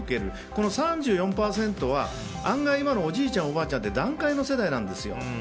この３４％は、案外今のおじいちゃんおばあちゃんって団塊の世代なんですよ。